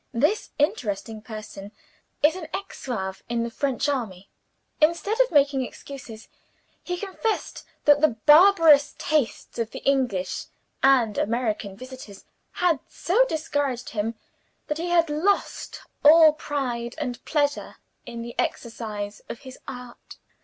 "This interesting person is an ex Zouave in the French army. Instead of making excuses, he confessed that the barbarous tastes of the English and American visitors had so discouraged him, that he had lost all pride and pleasure in the exercise of his art.